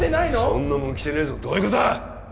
そんなもんきてねえぞどういうことだ